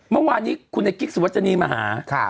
เมื่อวานนี้คุณไอ้กิ๊กสุวัชนีมาหา